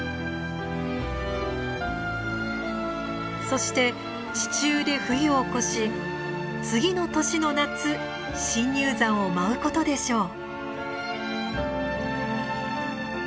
そして地中で冬を越し次の年の夏深入山を舞うことでしょう。